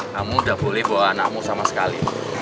kamu tidak boleh bawa anakmu sama sekali